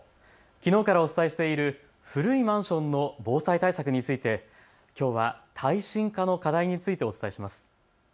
きのうからお伝えしている古いマンションの防災対策について、きょうは耐震化の課題についてお伝えします。